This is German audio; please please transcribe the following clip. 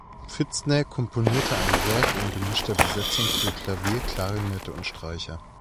Pfitzner komponierte ein Werk in gemischter Besetzung für Klavier, Klarinette und Streicher.